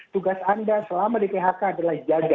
tugas anda selama di phk adalah jaga